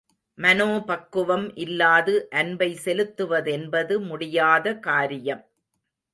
மனோபக்குவம் இல்லாது அன்பை செலுத்துவதென்பது முடியாத காரியம்.